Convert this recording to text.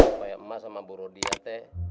supaya emak sama bu rodia teh